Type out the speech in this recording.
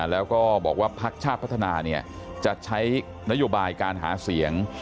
แล้วก็บอกว่าพักชาติพัฒนาจะใช้นโยบายการหาเสียง